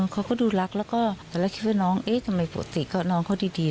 เขาก็ดูรักแล้วก็ตอนแรกเชื่อน้องเอ๊ะทำไมปกติก็น้องเขาดี